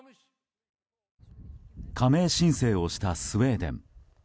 加盟申請をしたスウェーデン。